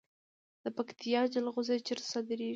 د پکتیا جلغوزي چیرته صادریږي؟